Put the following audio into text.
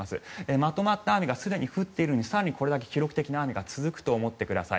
まとまった雨がすでに降っているのに更にこれだけ記録的な雨が続くと思ってください。